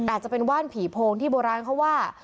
อาจจะเป็นว่านผีโพงที่โบราณเขาว่า